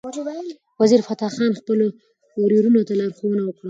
وزیرفتح خان خپل ورورانو ته لارښوونه وکړه.